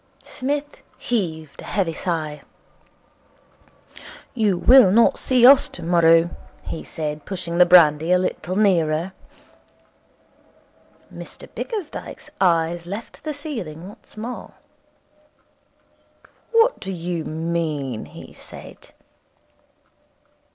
Psmith heaved a heavy sigh. 'You will not see us tomorrow,' he said, pushing the brandy a little nearer. Mr Bickersdyke's eyes left the ceiling once more. 'What do you mean?' he said.